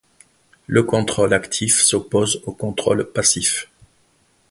Le contrôle actif s'oppose au contrôle passif.